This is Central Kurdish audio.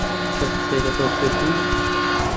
کەس قسەی لەگەڵ کردوویت؟